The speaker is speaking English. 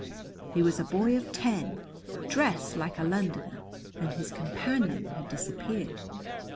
He was a boy of ten, dressed like a Londoner, and his companion had disappeared.